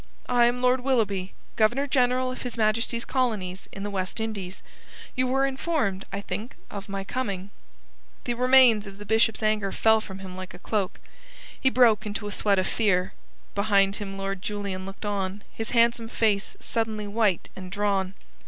"I am Lord Willoughby, Governor General of His Majesty's colonies in the West Indies. You were informed, I think, of my coming." The remains of Bishop's anger fell from him like a cloak. He broke into a sweat of fear. Behind him Lord Julian looked on, his handsome face suddenly white and drawn.